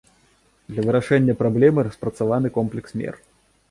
Для вырашэння праблемы распрацаваны комплекс мер.